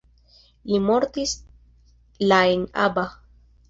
Li mortis la en Aba.